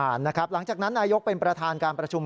อ่านนะครับหลังจากนั้นนายกเป็นประธานการประชุม